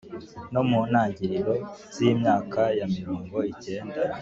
no mu ntangiriro z'imyaka ya mirongo icyenda